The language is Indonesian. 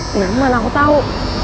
kenapa aku tahu